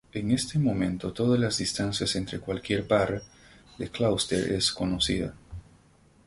En este momento todas las distancias entre cualquier par de clúster es conocida.